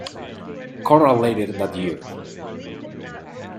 Corral later that year.